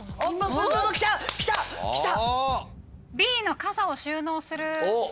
Ｂの傘を収納する。